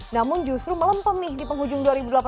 namun justru melempam nih di penghujung dua ribu delapan belas